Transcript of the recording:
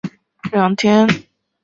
一直到了前两天